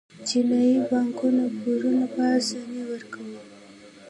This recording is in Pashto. چینايي بانکونه پورونه په اسانۍ ورکوي.